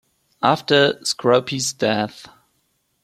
After Scrope's death.